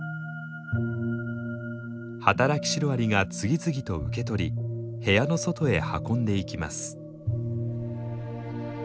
働きシロアリが次々と受け取り部屋の外へ運んでいきます。